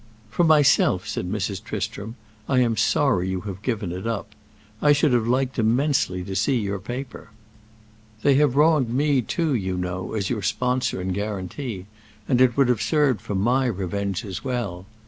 "For myself," said Mrs. Tristram, "I am sorry you have given it up. I should have liked immensely to see your paper. They have wronged me too, you know, as your sponsor and guarantee, and it would have served for my revenge as well.